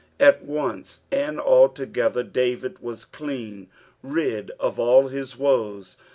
''' At once and alto gether David was clean rid of all his woes.